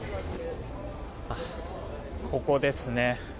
ここですね。